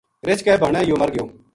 رچھ کے بھانے یوہ مر گیو